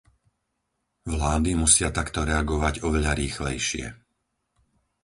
Vlády musia takto reagovať oveľa rýchlejšie.